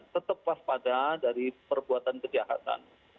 tetap waspada dari perbuatan kejahatan